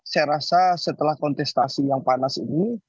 saya rasa setelah kontestasi yang panas ini